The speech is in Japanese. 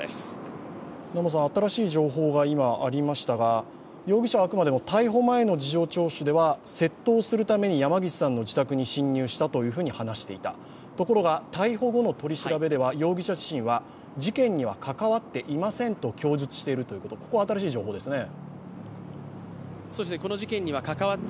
新しい情報が今ありましたが、容疑者はあくまでも逮捕前の事情聴取では窃盗するために山岸さんの自宅に侵入したと話していたところが、逮捕後の取り調べでは容疑者自身は事件には関わっていませんと供述しているということでここは新しい情報ですね。